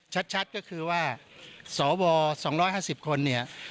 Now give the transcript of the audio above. ชัดก็คือว่าสว๒๕๐คนเนี่ย